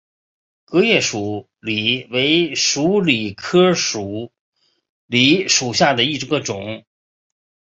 革叶鼠李为鼠李科鼠李属下的一个种。